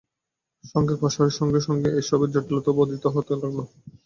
এবং সঙ্ঘের প্রসারের সঙ্গে সঙ্গে এ-সবের জটিলতাও বর্ধিত হতে লাগল।